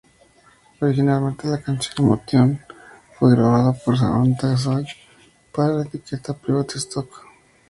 Originalmente, la canción "Emotion" fue grabada por Samantha Sang para la etiqueta Private Stock.